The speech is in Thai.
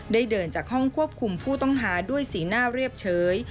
เดินจากห้องควบคุมผู้ต้องหาด้วยสีหน้าเรียบเฉย